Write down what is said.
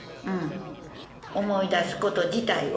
思い出すこと自体を。